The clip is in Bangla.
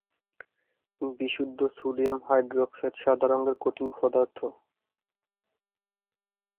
বিশুদ্ধ সোডিয়াম হাইড্রক্সাইড সাদা রঙের কঠিন পদার্থ।